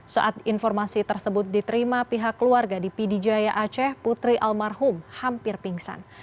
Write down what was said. saat informasi tersebut diterima pihak keluarga di pd jaya aceh putri almarhum hampir pingsan